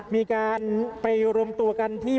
มีการไปรวมตัวกันที่